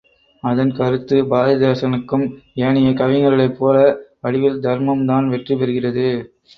அதன் கருத்து பாரதிதாசனுக்கும் ஏனைய கவிஞர்களைப் போல முடிவில் தர்மம் தான் வெற்றி பெறுகிறது.